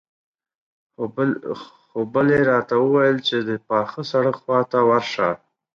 خو بلې راته وويل چې د پاخه سړک خواته ورشه.